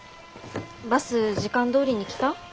バス時間どおりに来た？